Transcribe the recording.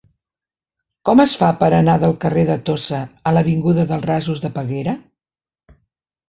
Com es fa per anar del carrer de Tossa a l'avinguda dels Rasos de Peguera?